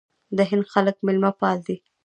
د هند خلک میلمه پال دي.